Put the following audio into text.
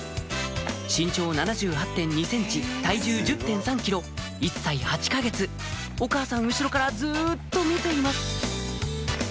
身長７８．２ｃｍ体重１０．３ｋｇ１歳８か月お母さん後ろからずっと見ています